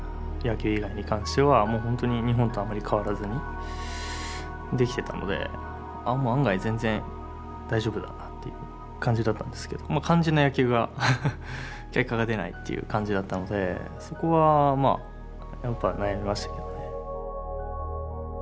野球以外に関してはもう本当に日本とあんまり変わらずにできてたので案外全然大丈夫だなっていう感じだったんですけど肝心な野球が結果が出ないっていう感じだったのでそこはやっぱ悩みましたけどね。